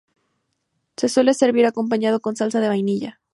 Se suele servir acompañado con salsa de vainilla.